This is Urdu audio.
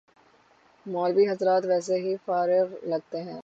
مولوی حضرات ویسے ہی فارغ لگتے ہیں۔